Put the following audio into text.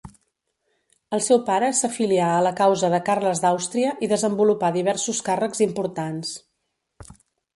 El seu pare s'afilià a la causa de Carles d'Àustria i desenvolupà diversos càrrecs importants.